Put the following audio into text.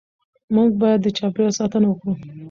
موږ باید د چاپېریال ساتنه وکړو